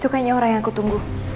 itu kayaknya orang yang aku tunggu